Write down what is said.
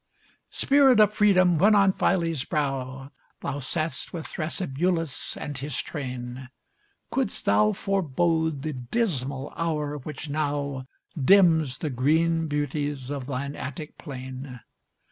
Spirit of Freedom! when on Phyle's brow Thou sat'st with Thrasybulus and his train, Couldst thou forebode the dismal hour which now Dims the green beauties of thine Attic plain?